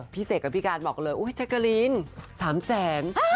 พี่เศษกับพี่การบอกเลยจักรีน๓แสน